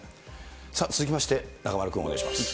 さあ、続きまして、中丸君、お願いします。